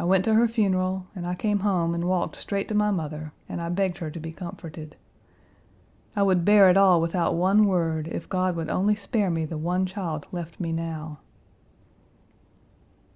I went to her funeral, and I came home and walked straight to my mother and I begged her to be comforted; I would bear it all without one word if God would only spare me the one child left me now."